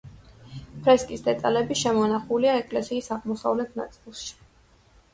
ფრესკის დეტალები შემონახულია ეკლესიის აღმოსავლეთ ნაწილში.